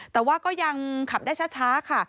แต่ว่าก็ยังขับได้ช้าค่ะ